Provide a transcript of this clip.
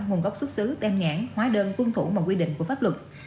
nguồn gốc xuất xứ tem nhãn hóa đơn quân thủ mà quy định của pháp luật